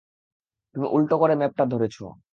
তুমি উলটো করে ম্যাপটা ধরেছ।